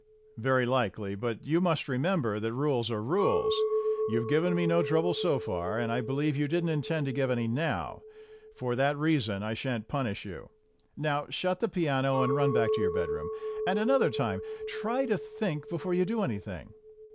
"Very likely, but you must please remember that rules are rules. You've given me no trouble so far, and I believe that you didn't intend to give any now. For that reason I shan't punish you. Now shut the piano, and run back to your bedroom. And another time try to think before you do anything."